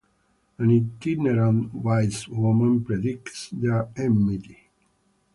An itinerant wise woman predicts their enmity.